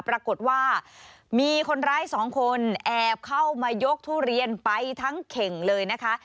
ปรากฏว่ามีคนร้ายสองคนแอบเข้ามายกทุเรียนไปทั้งเข่งเลยนะคะ